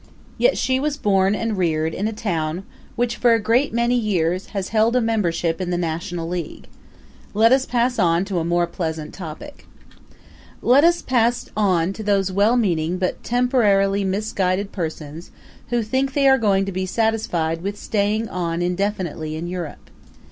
Yet she was born and reared in a town which for a great many years has held a membership in the National League. Let us pass on to a more pleasant topic. Let us pass on to those well meaning but temporarily misguided persons who think they are going to be satisfied with staying on indefinitely in Europe.